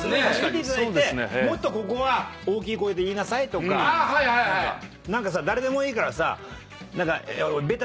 見ていただいて「もっとここは大きい声で言いなさい」とか。何かさ誰でもいいからさ。